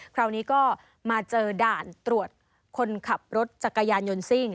คราวนี้ก็มาเจอด่านตรวจคนขับรถจักรยานยนต์ซิ่ง